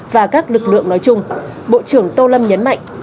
và các lực lượng nói chung bộ trưởng tô lâm nhấn mạnh